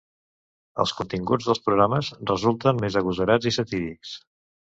Els continguts dels programes resulten més agosarats i satírics.